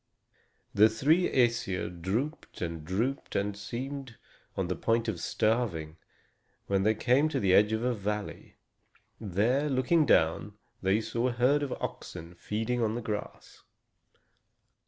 The three Æsir drooped and drooped, and seemed on the point of starving, when they came to the edge of a valley. Here, looking down, they saw a herd of oxen feeding on the grass.